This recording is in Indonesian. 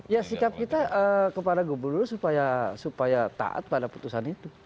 ya sikap kita kepada gubernur supaya taat pada putusan itu